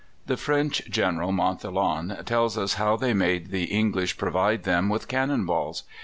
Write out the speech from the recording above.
The French General, Montholon, tells us how they made the English provide them with cannon balls.